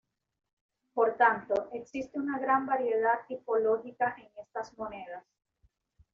Por tanto existe una gran variedad tipológica en estas monedas.